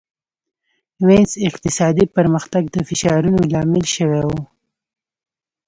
وینز اقتصادي پرمختګ د فشارونو لامل شوی و.